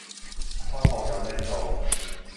開學有咩做